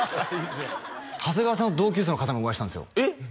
長谷川さんの同級生の方にもお会いしたんですよ